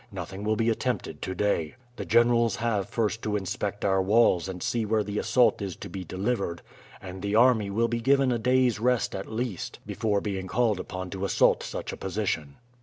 Nothing will be attempted to day. The generals have first to inspect our walls and see where the assault is to be delivered, and the army will be given a day's rest at least before being called upon to assault such a position."